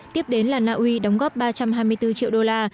tiếp đến là naui đóng góp ba trăm hai mươi bốn triệu đô la